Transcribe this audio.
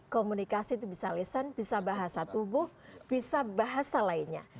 komunikasi itu bisa lisan bisa bahasa tubuh bisa bahasa lainnya